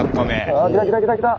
あ来た来た来た来た！